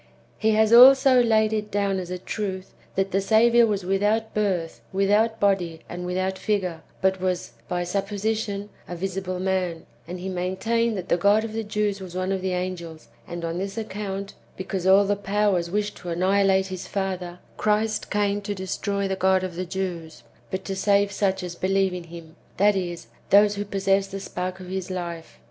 He has also laid it down as a truth, that the Saviour was without birth, without body, and without figure, but was, by supposition, a visible man ; and he maintained that the God of the Jews was one of the angels ; and, on this account, because all the powers wished to annihilate his father, Christ came to destroy the God of the Jews, but to save such as believe in him ; that is, those who possess the spark of his life.